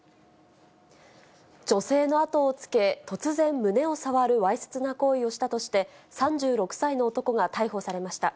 女性の後をつけ、突然胸を触るわいせつな行為をしたとして、３６歳の男が逮捕されました。